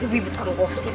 ibu ibutkan gosip